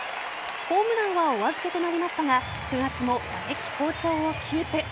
ホームランはお預けとなりましたが９月も打撃好調をキープ。